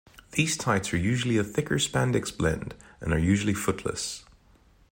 These tights are usually a thicker spandex-blend, and are usually footless.